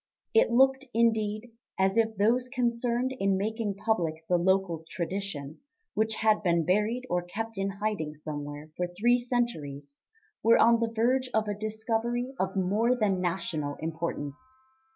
It looked, indeed, as if those concerned in making public the local tradition, which had been buried or kept in hiding somewhere for three centuries, were on the verge of a discovery of more than national importance.